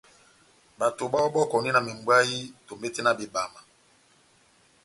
Bato bayɔbɔkɔndi na membwayï tombete na bebama.